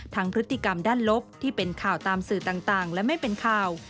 พฤติกรรมด้านลบที่เป็นข่าวตามสื่อต่างและไม่เป็นข่าว